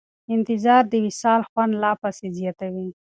انتظار د وصال خوند لا پسې زیاتوي.